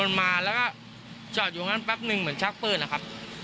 มันมาแล้วก็จอดอยู่ตรงนั้นแป๊บนึงเหมือนชักปืนนะครับ